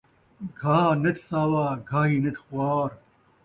گھاہ نت ساوا ، گھاہی نت خوار